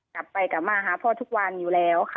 กลับมาหาพ่อทุกวันอยู่แล้วค่ะ